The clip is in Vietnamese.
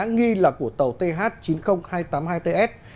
nghi là của tàu th chín mươi nghìn hai trăm tám mươi hai ts